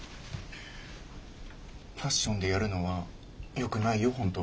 ファッションでやるのはよくないよ本当。